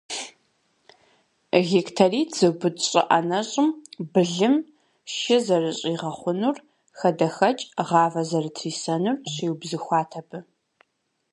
Гектаритӏ зыубыд щӏы ӏэнэщӏым былым, шы зэрыщигъэхъунур, хадэхэкӏ, гъавэ зэрытрисэнур щиубзыхуат абы.